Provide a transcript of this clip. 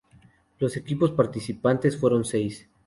Los equipos participantes fueron seis.